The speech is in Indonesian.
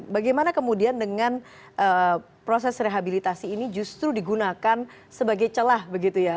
bagaimana kemudian dengan proses rehabilitasi ini justru digunakan sebagai celah begitu ya